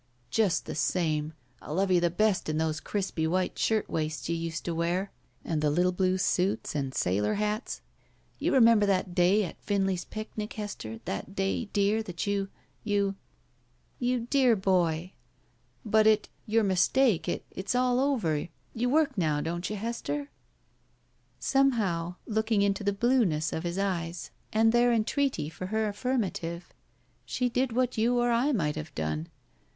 "Just the same, I love you best in those crispy white shirt waists you used to wear and the Uttle blue suits and sailor hats. You remember that day at Finleys* picnic, Hester, that day, dear, that you — you —" "You dear boy!" "But it — ^your mistake — ^it — ^it's all over. Yotl work now, don't you, Hester?" Somehow, looldng into the blueness of his eyes 8s • J BACK PAY and their entreaty for her affirmative, she did what you or I might have done.